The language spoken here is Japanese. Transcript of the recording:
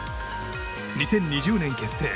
２０２０年結成。